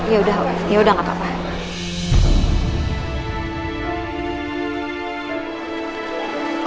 ya udah yaudah gak apa apa